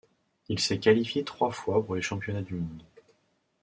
Il s'est qualifié trois fois pour les championnats du monde.